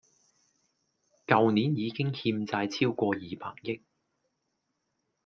舊年已經欠債超過二百億